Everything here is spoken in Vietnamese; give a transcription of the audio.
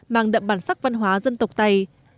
mang đậm bản sắc văn hóa dân tộc tày